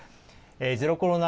ゼロコロナ